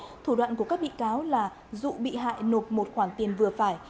trong sân bay thủ đoạn của các bị cáo là dụ bị hại nộp một khoản tiền vừa phải